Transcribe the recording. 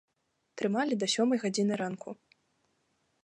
Трымалі да сёмай гадзіны ранку.